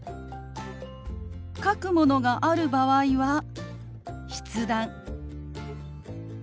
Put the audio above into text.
書くものがある場合は筆談。